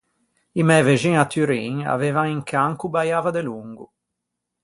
I mæ vexin à Turin aveivan un can ch’o baiava delongo.